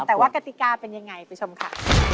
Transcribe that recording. แต่ว่ากติกาเป็นยังไงไปชมค่ะ